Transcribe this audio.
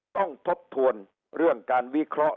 ทบทวนเรื่องการวิเคราะห์